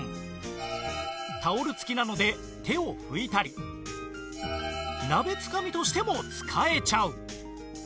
タオル付きなので手を拭いたり鍋つかみとしても使えちゃう